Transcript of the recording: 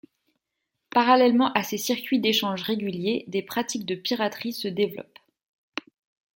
Parallèlement à ces circuits d'échanges réguliers, des pratiques de piraterie se développent.